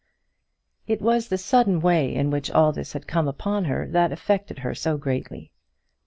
It was the sudden way in which all this had come upon her that affected her so greatly.